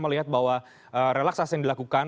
melihat bahwa relaksasi yang dilakukan